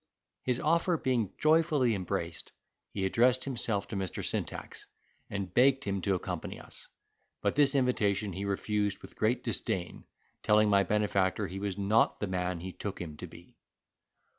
His offer being joyfully embraced, he addressed himself to Mr. Syntax, and begged him to accompany us; but this invitation he refused with great disdain, telling my benefactor he was not the man he took him to be.